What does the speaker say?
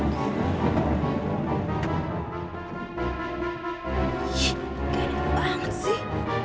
pak temon di depan